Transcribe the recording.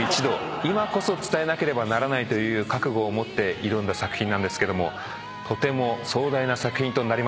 今こそ伝えなければならないという覚悟を持って挑んだ作品なんですけどもとても壮大な作品となりました。